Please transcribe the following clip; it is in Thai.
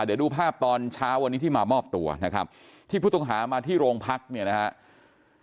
เดี๋ยวดูภาพตอนเช้าวันนี้ที่มามอบตัวนะครับที่ผู้ต้องหามาที่โรงพักเนี่ยนะครับ